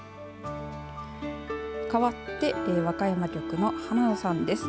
かわって和歌山局の濱野さんです。